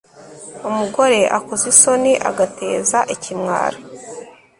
umugore akoza isoni, agateza ikimwaro